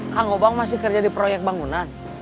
kang obama masih kerja di proyek bangunan